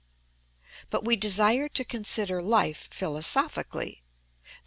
But we desire to consider life philosophically, _i.